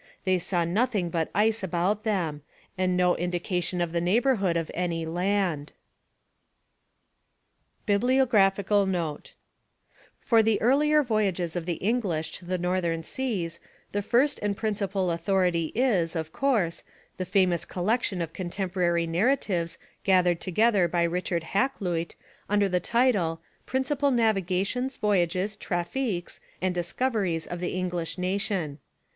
They saw nothing but ice about them, and no indication of the neighbourhood of any land. BIBLIOGRAPHICAL NOTE For the earlier voyages of the English to the Northern seas the first and principal authority is, of course, the famous collection of contemporary narratives gathered together by Richard Hakluyt under the title, Principal Navigations, Voyages, Traffiques, and Discoveries of the English Nation.